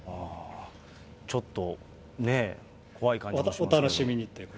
ちょっとね、怖い感じも。